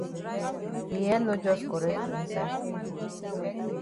Yi head no jus correct for inside.